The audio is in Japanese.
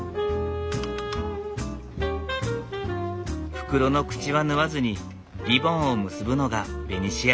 袋の口は縫わずにリボンを結ぶのがベニシア流。